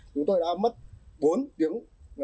chúng tôi đã mất bốn tiếng